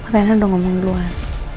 riana udah ngomong duluan